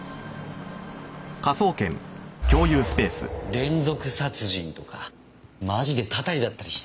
連続殺人とかマジでたたりだったりして。